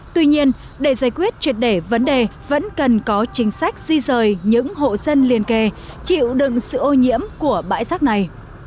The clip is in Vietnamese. tuy nhiên để giải quyết triệt để vấn đề vẫn cần có chính sách di rời những hộ dân liên kề chịu đựng sự ô nhiễm của bãi rác này